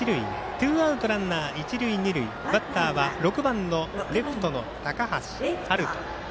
ツーアウト、ランナー、一塁二塁バッターは６番のレフトの高橋陽大。